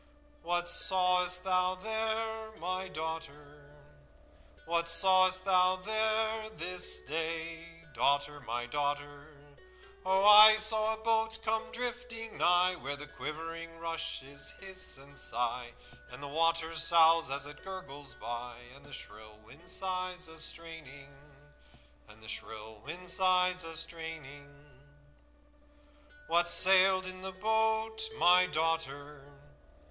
"'What sawest thou there, my daughter? What sawest thou there this day, Daughter, my daughter?' 'Oh, I saw a boat come drifting nigh, Where the quivering rushes hiss and sigh, And the water soughs as it gurgles by, And the shrill wind sighs a straining.' "'What sailed in the boat, my daughter?